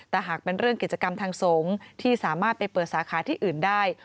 แต่หากเป็นเรื่องกิจกรรมทางสงฆ์ที่สามารถไปเปิดสาขาที่อื่นได้